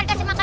aku mau makan